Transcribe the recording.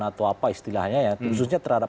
atau apa istilahnya ya khususnya terhadap